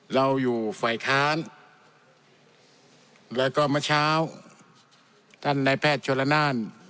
เราอยู่ฝ่ายค้านแล้วก็เมื่อเช้าท่านนายแพทย์ชนละนาน